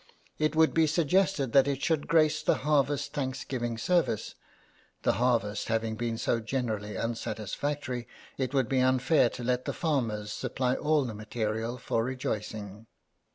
It would be suggested that it should grace the harvest 46 JUDKIN OF THE PARCELS thanksgiving service ; the harvest having been so generally unsatisfactory, it would be unfair to let the farmers supply all the material for rejoicing.